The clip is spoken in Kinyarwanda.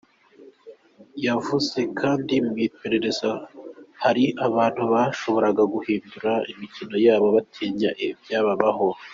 Yavuze kandi mu iperereza hari abantu bashoboraga guhindura imikono yabo batinya ibyababaho.